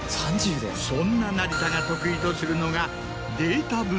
そんな成田が得意とするのが。